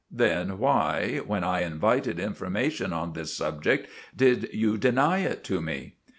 Then why, when I invited information on this subject, did you deny it to me?"